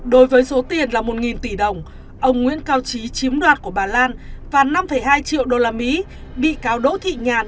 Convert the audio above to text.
đối với số tiền là một tỷ đồng ông nguyễn cao trí chiếm đoạt của bà lan và năm hai triệu usd bị cáo đỗ thị nhàn